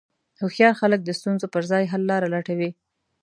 هوښیار خلک د ستونزو پر ځای حللارې لټوي.